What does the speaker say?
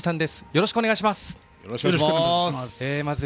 よろしくお願いします。